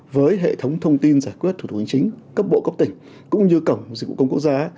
với hệ thống thông tin giải quyết thủ tục hành chính cấp bộ cấp tỉnh cũng như cổng dịch vụ công quốc gia